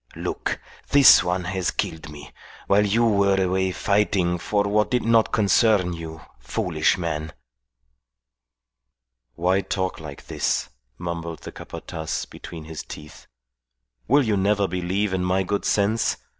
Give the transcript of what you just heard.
"Look, this one has killed me, while you were away fighting for what did not concern you, foolish man." "Why talk like this?" mumbled the Capataz between his teeth. "Will you never believe in my good sense?